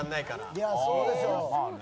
「いやそうでしょ」